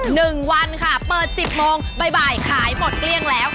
หนึ่งวันค่ะเปิดสิบโมงบ่ายขายหมดเกลี้ยงแล้ว